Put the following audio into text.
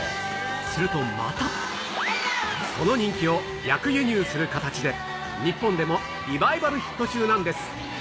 するとまた、その人気を逆輸入する形で日本でもリバイバルヒット中なんです。